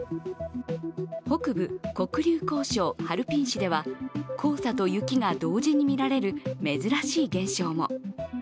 北部・黒竜江省ハルピン市では、黄砂と雪が同時に見られる珍しい現象も。